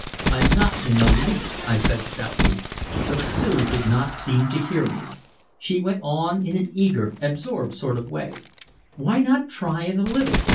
"I'm not in the least!" I said stoutly. But Sue did not seem to hear me. She went on in an eager, absorbed sort of way: "Why not try it a little?